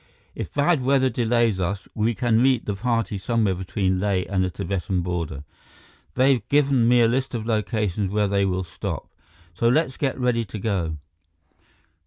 If bad weather delays us, we can meet the party somewhere between Leh and the Tibetan border. They've given me a list of locations where they will stop. So let's get ready to go."